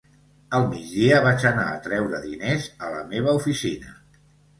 Al migdia, vaig anar a treure diners a la meva oficina.